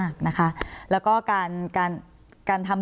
คุณจอมขอบพระคุณครับ